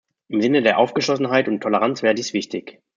Im Sinne der Aufgeschlossenheit und Toleranz wäre dies wichtig.